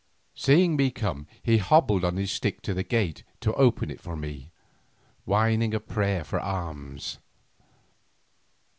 Seeing me come he hobbled on his stick to the gate to open it for me, whining a prayer for alms.